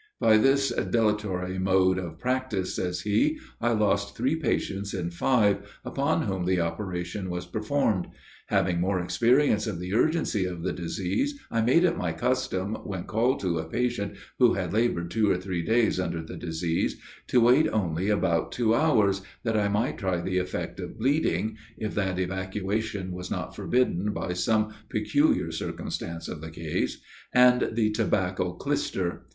"By this dilatory mode of practice," says he, "I lost three patients in five, upon whom the operation was performed. Having more experience of the urgency of the disease, I made it my custom, when called to a patient who had laboured two or three days under the disease, to wait only about two hours, that I might try the effect of bleeding (if that evacuation was not forbidden by some peculiar circumstance of the case) and the tobacco clyster.